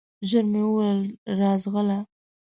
ژر مي وویل ! راځغله